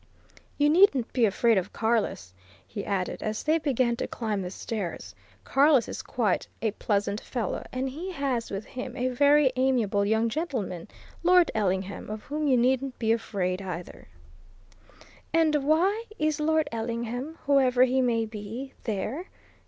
You needn't be afraid of Carless," he added as they began to climb the stairs. "Carless is quite a pleasant fellow and he has with him a very amiable young gentleman, Lord Ellingham, of whom you needn't be afraid, either." "And why is Lord Ellingham, whoever he may be, there?"